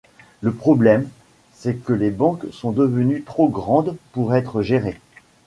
Le problème, c’est que les banques sont devenues trop grandes pour être gérées.